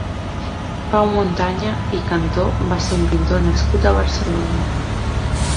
Pau Montaña i Cantó va ser un pintor nascut a Barcelona.